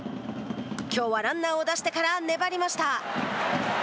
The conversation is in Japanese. きょうはランナーを出してから粘りました。